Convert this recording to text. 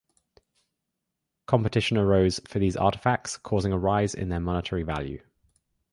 Competition arose for these artefacts, causing a rise in their monetary value.